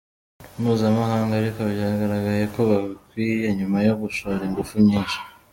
mpuzamahanga, ariko byagaragaye ko babikwiye nyuma yo gushora ingufu nyinshi.